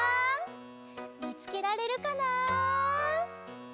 みつけられるかなあ？